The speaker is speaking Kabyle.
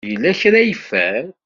Yella kra ay yeffer?